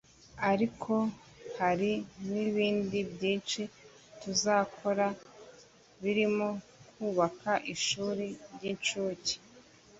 ariko hari n’ibindi byinshi tuzakora birimo kubaka ishuri ry’incuke